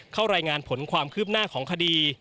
รายงานผลความคืบหน้าของคดี